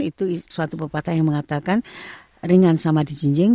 itu suatu pepatah yang mengatakan ringan sama di jinjing